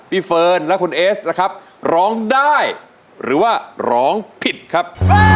เฟิร์นและคุณเอสนะครับร้องได้หรือว่าร้องผิดครับ